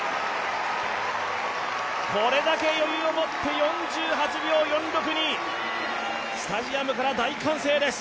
これだけ余裕を持って４８秒４６にスタジアムから大歓声です。